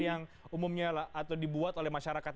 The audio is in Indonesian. yang umumnya atau dibuat oleh masyarakat